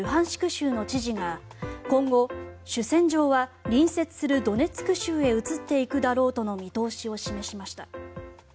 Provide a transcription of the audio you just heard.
州の知事が今後、主戦場は隣接するドネツク州へ移っていくだろうとの見通しを示しました。